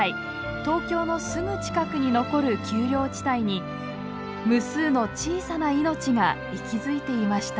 東京のすぐ近くに残る丘陵地帯に無数の小さな命が息づいていました。